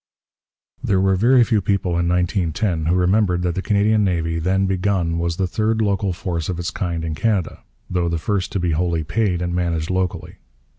There were very few people in 1910 who remembered that the Canadian navy then begun was the third local force of its kind in Canada, though the first to be wholly paid and managed locally.